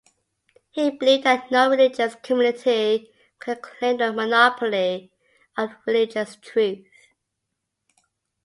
He believed that no religious community could claim a monopoly on religious truth.